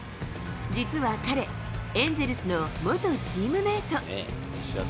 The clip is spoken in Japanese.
実は彼、エンゼルスの元チームメート。